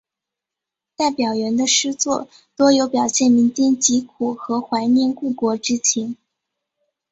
戴表元的诗作多有表现民间疾苦和怀念故国之情。